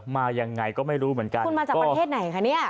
มายังไงก็ไม่รู้เค้ามาจากประเทศไหนคะเนี่ย